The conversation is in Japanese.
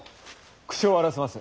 口を割らせます。